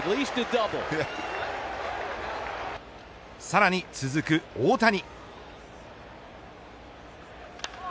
さらに、続く大谷。